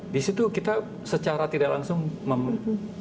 di situ kita secara tidak langsung memberikan